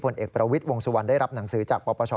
เอกประวิทย์วงสุวรรณได้รับหนังสือจากปปช